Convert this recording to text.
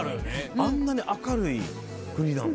あんなに明るい国なんだ。